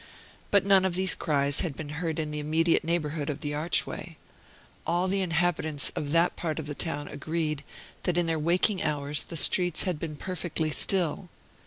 But none of these cries had been heard in the immediate neighborhood of the archway. All the inhabitants of that part of the town agreed that in their waking hours the streets had been perfectly still.